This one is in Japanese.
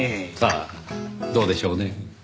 さあどうでしょうね。